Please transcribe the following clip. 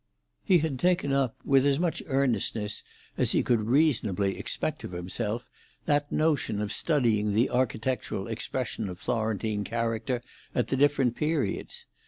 He had taken up, with as much earnestness as he could reasonably expect of himself, that notion of studying the architectural expression of Florentine character at the different periods.